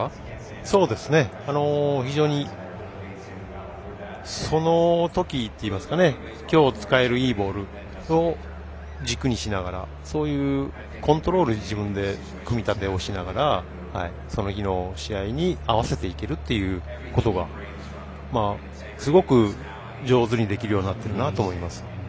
非常にそのときっていいますかきょう、使えるいいボールを軸にしながらそういうコントロール、自分で組み立てをしながらその日の試合に合わせていけるっていうことがすごく上手にできるようになっているなと思います。